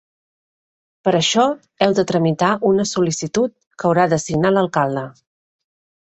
Per a això, heu de tramitar una sol·licitud, que haurà de signar l'alcalde.